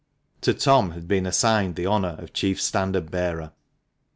To Tom had been assigned the honour of chief standard bearer.